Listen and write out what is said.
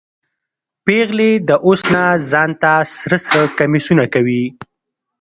پیغلې د اوس نه ځان ته سره سره کمیسونه کوي